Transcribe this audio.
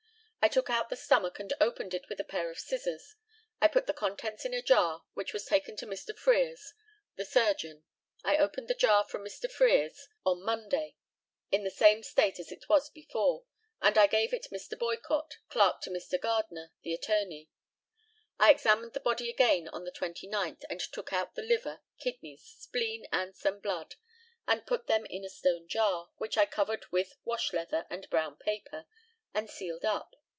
I took out the stomach, and opened it with a pair of scissors. I put the contents in a jar, which was taken to Mr. Frere's, the surgeon. I obtained the jar from Mr. Frere's on Monday, in the same state as it was before, and I gave it Mr. Boycott, clerk to Mr. Gardner, the attorney. I examined the body again on the 29th, and took out the liver, kidneys, spleen, and some blood. I put them in a stone jar, which I covered with washleather and brown paper, and sealed up.